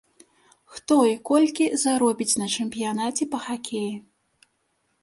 Хто і колькі заробіць на чэмпіянаце па хакеі?